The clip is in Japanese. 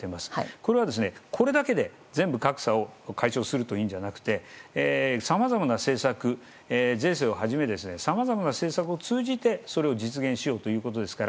これは、これだけで全部、格差を解消するという意味ではなくてさまざまな政策税制をはじめさまざまな政策を通じてそれを実現しようということですから